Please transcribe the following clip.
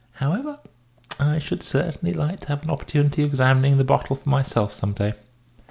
However, I should certainly like to have an opportunity of examining the bottle for myself some day."